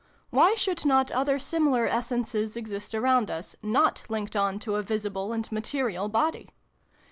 Why should not other similar essences exist around us, not linked on to a visible and material body